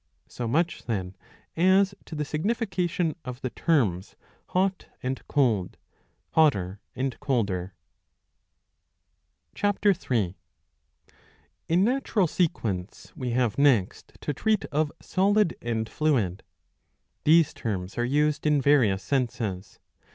So much then as to the signification of the terms hot and cold, hotter and colder.^^ (Ch. 3.y) In natural sequence we have next to treat of solid and fluid. These terms are used in various senses.